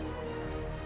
kau tak bisa membunuhku